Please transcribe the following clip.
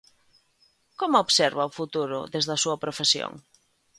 Como observa o futuro desde a súa profesión?